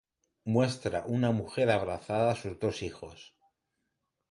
Muestra una mujer abrazada a sus dos hijos.